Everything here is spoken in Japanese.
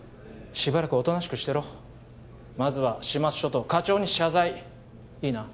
しばらくおとなしくしてろまずは始末書と課長に謝罪いいな？